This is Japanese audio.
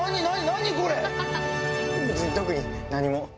特に何も。